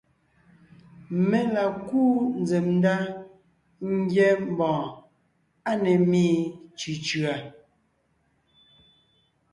Mé la kúu nzsèm ndá ńgyɛ́ mbɔ̀ɔn á ne ḿmi cʉ̀cʉ̀a;